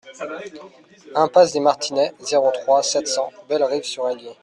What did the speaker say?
Impasse des Martinets, zéro trois, sept cents Bellerive-sur-Allier